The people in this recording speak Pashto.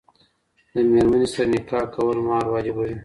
د ميرمني سره نکاح کول مهر واجبوي.